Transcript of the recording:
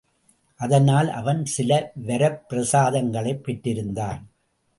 அதனால் அவன் சில வரப்பிரசாதங்கள் பெற்றிருந்தான்.